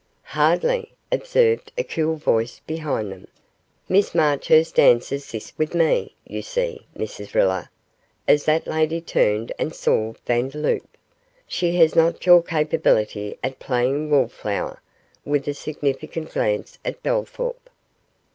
'Hardly,' observed a cool voice behind them; 'Miss Marchurst dances this with me you see, Mrs Riller,' as that lady turned and saw Vandeloup, 'she has not your capability at playing wallflower,' with a significant glance at Bellthorp.